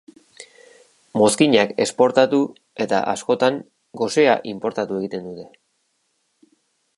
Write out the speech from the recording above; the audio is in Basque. Mozkinak esportatu eta askotan gosea inportatu egiten dute.